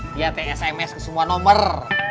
dia tsms ke semua nomor